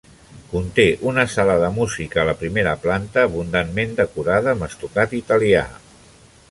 Conté una sala de música a la primera planta abundantment decorada amb estucat italià.